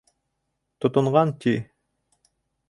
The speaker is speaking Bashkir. — Тотонған, ти...